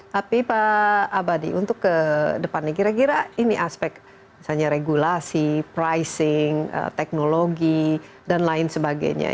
tapi pak abadi untuk ke depannya kira kira ini aspek misalnya regulasi pricing teknologi dan lain sebagainya